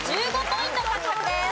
１５ポイント獲得です。